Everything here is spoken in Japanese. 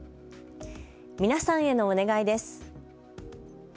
皆さんへのお願いです。